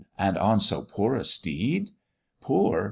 and on so poor a steed!" "Poor!